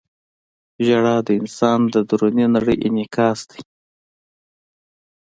• ژړا د انسان د دروني نړۍ انعکاس دی.